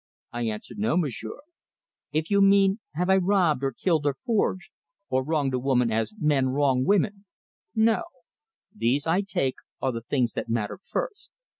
I answer no, Monsieur. If you mean, have I robbed or killed, or forged or wronged a woman as men wrong women? No. These, I take it, are the things that matter first.